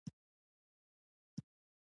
فرمان صادر کړ.